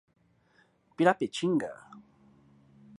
Pirapetinga